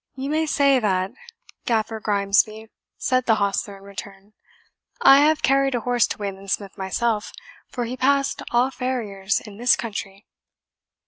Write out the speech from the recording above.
"You may say that, Gaffer Grimesby," said the hostler in return; "I have carried a horse to Wayland Smith myself, for he passed all farriers in this country."